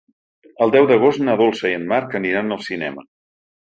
El deu d'agost na Dolça i en Marc aniran al cinema.